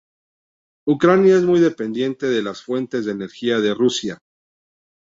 Ucrania es muy dependiente de las fuentes de energía de Rusia.